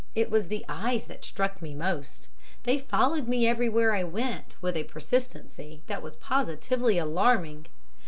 It was the eyes that struck me most they followed me everywhere I went with a persistency that was positively alarming.